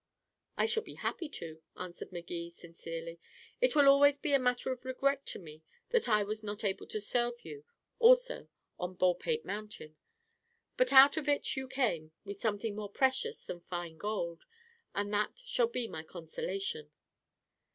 "I shall be happy to," answered Magee sincerely. "It will always be a matter of regret to me that I was not able to serve you also on Baldpate Mountain. But out of it you come with something more precious than fine gold, and that shall be my consolation."